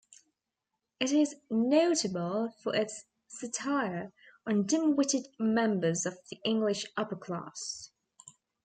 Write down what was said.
It is notable for its satire on dim-witted members of the English upper class.